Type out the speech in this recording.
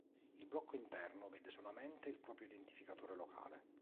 Il blocco interno vede solamente il proprio identificatore locale.